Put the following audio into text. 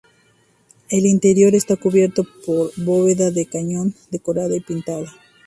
El interior está cubierto por bóveda de cañón decorada y pintada.